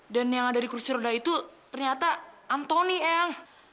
dan yang ada di kursi roda itu ternyata antoni eyang